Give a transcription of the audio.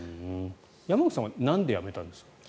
山口さんはなんで辞めたんですか？